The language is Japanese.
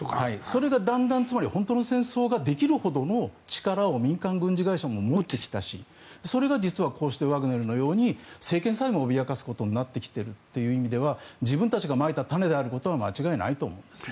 それがだんだん本当の戦争ができるほどの力を民間軍事会社も持ってきたしそれが実はこうしてワグネルのように政権さえも脅かすということになっている意味では自分たちがまいた種であることは間違いないと思うんですね。